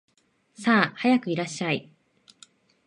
さあ、早くいらっしゃい